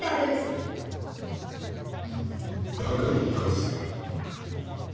鷹野和也。